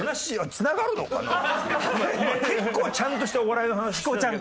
今結構ちゃんとしたお笑いの話してたけど。